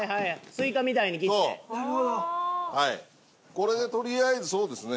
これでとりあえずそうですね